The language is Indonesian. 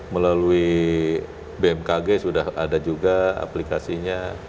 melalui bmkg sudah ada juga aplikasinya